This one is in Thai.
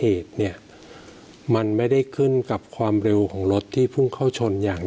เหตุเนี่ยมันไม่ได้ขึ้นกับความเร็วของรถที่พุ่งเข้าชนอย่าง